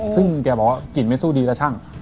ซึ่งแกบอกว่ากลิ่นไม่สู้ดีแล้วช่าง